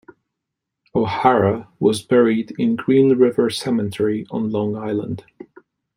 O'Hara was buried in Green River Cemetery on Long Island.